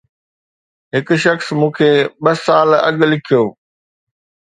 هڪ شخص مون کي ٻه سال اڳ لکيو